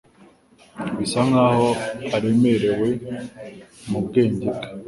Bisa nkaho aremerewe mubwenge bwe